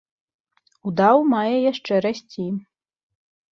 Удаў мае яшчэ расці.